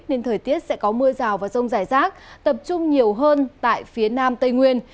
nên thời tiết sẽ có mưa rào và rông rải rác tập trung nhiều hơn tại phía nam tây nguyên